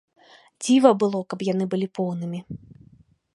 Дзіва было, каб яны былі поўнымі.